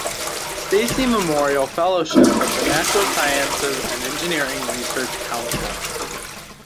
Steacie Memorial Fellowship of the Natural Sciences and Engineering Research Council.